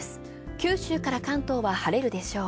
九州から関東は晴れるでしょう。